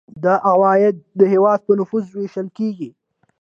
دا عواید د هیواد په نفوس ویشل کیږي.